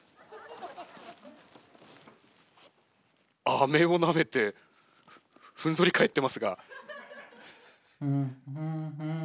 アメをなめてふんぞり返ってますが。